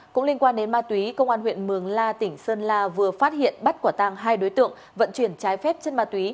cũng liên quan đến ma túy công an huyện mường la tỉnh sơn la vừa phát hiện bắt quả tàng hai đối tượng vận chuyển trái phép chất ma túy